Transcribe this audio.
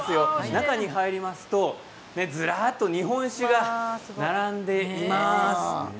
中に入りますと、ずらりと日本酒が並んでいます。